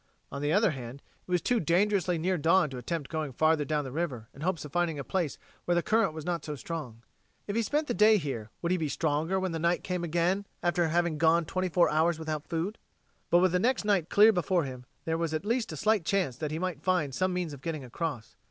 On the other hand, it was too dangerously near dawn to attempt going farther down the river in hopes of finding a place where the current was not so strong. If he spent the day here would he be stronger when night came again after having gone twenty four hours without food? But with the next night clear before him, there was at least a slight chance that he might find some means of getting across.